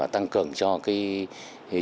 tăng cường cho trường hợp